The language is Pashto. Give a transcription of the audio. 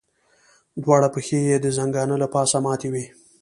دواړه پښې یې د ځنګانه له پاسه ماتې وې.